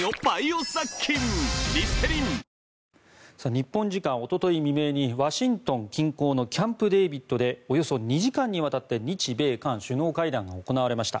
日本時間おととい未明にワシントン近郊のキャンプデービッドでおよそ２時間にわたって日米韓首脳会談が行われました。